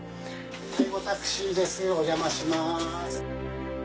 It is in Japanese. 介護タクシーですお邪魔します。